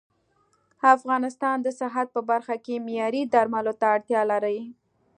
افغانستان د صحت په برخه کې معياري درملو ته اړتيا لري